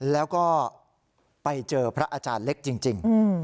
แล้วก็ไปเจอพระอาจารย์เล็กจริง